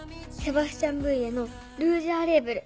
「セバスチャン・ブイエ」の「ルージュアレーブル」。